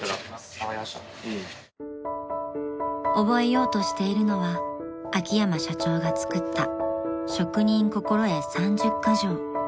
［覚えようとしているのは秋山社長が作った職人心得３０箇条］